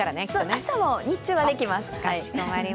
明日も日中はできます。